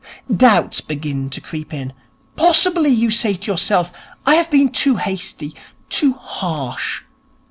Doubts begin to creep in. Possibly, you say to yourself, I have been too hasty, too harsh.